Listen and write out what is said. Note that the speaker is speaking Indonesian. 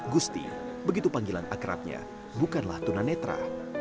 gusti begitu panggilan akrabnya bukanlah tunanetra